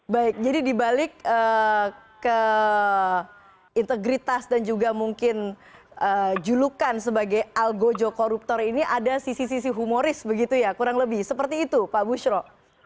baik jadi dibalik ke integritas dan juga mungkin julukan sebagai algojo koruptor ini ada sisi sisi humoris begitu ya kurang lebih seperti itu pak bushro